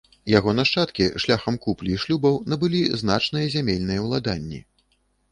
Яго нашчадкі шляхам куплі і шлюбаў набылі значныя зямельныя ўладанні.